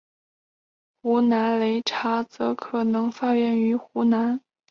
湖南擂茶则可能发源于湖南桃源县马石村。